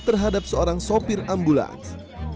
terhadap seorang sopir ambulans